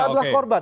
itu adalah korban